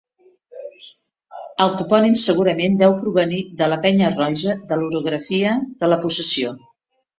El topònim segurament deu provenir de la penya Roja de l'orografia de la possessió.